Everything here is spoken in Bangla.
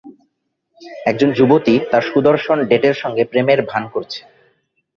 একজন যুবতী তার সুদর্শন ডেটের সঙ্গে প্রেমের ভান করছে।